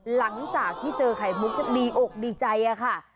หลังจากที่เจอไข่มุกก็ดีอกดีใจค่ะ